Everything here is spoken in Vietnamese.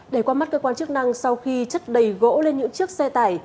để qua mắt cơ quan chức năng sau khi chất đầy gỗ lên những chiếc xe tải